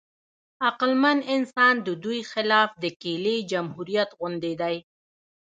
عقلمن انسان د دوی خلاف د کیلې جمهوریت غوندې دی.